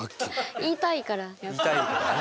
言いたいからね。